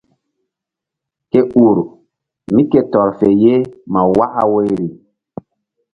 Ke ur mí ke tɔr fe ye ma waka woyri.